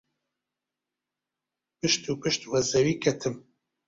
پشت و پشت وە زەوی کەتم.